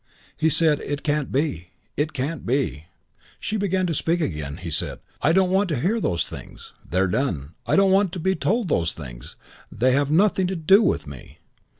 He said, "It can't be. It can't be." She began again to speak. He said, "I don't want to hear those things. They're done. I don't want to be told those things. They have nothing to do with me."